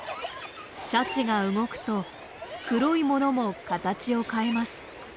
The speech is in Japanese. シャチが動くと黒いものも形を変えます。